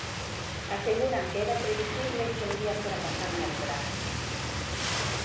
Aseguran que ra previsible que un día fora pasar unha desgraza.